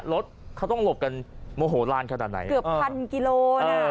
รถเขาต้องหลบกันโมโหลานขนาดไหนเกือบพันกิโลน่ะ